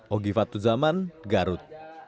ogifat tuzaman garut